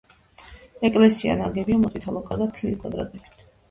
ეკლესია ნაგებია მოწითალო, კარგად თლილი კვადრებით.